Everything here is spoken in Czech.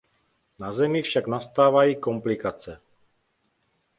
Na Zemi však nastávají komplikace.